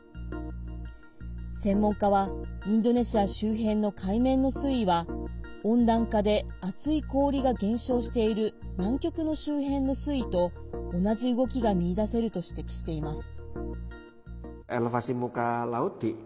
専門家は、インドネシア周辺の海面の水位は温暖化で厚い氷が減少している南極の周辺の水位と同じ動きが見出せると指摘しています。